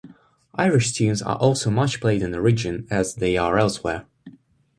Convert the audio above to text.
Irish tunes are also much played in the region, as they are elsewhere.